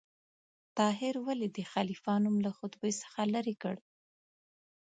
طاهر ولې د خلیفه نوم له خطبې څخه لرې کړ؟